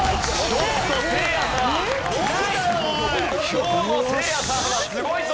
今日のせいやさんはすごいぞ！